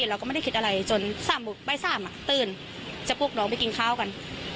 เราก็ไม่ได้คิดอะไรจนบ่าย๓ตื่นจะพวกน้องไปกินข้าวกัน